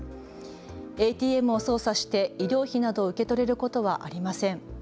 ＡＴＭを操作して医療費などを受け取れることはありません。